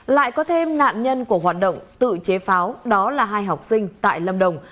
lại có thêm nạn nhân của hoạt động tự chế pháo đó là hai học sinh tại lâm đồng